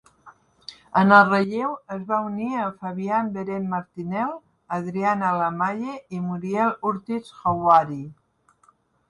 En el relleu, es va unir a Fabienne Beret-Martinel, Adrianna Lamalle i Muriel Hurtis-Houairi.